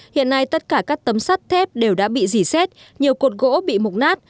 hiện nay tất cả các tấm sắt thép đều đã bị dì xét nhiều cột gỗ bị mục nát